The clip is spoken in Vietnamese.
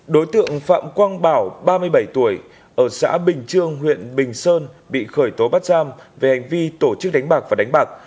đối tượng phạm quang bảo ba mươi bảy tuổi ở xã bình trương huyện bình sơn bị khởi tố bắt giam về hành vi tổ chức đánh bạc và đánh bạc